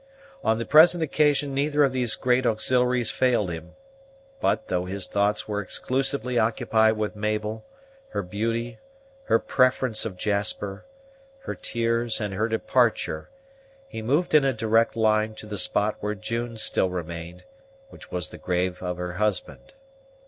On the present occasion neither of these great auxiliaries failed him; but, though his thoughts were exclusively occupied with Mabel, her beauty, her preference of Jasper, her tears, and her departure, he moved in a direct line to the spot where June still remained, which was the grave of her husband.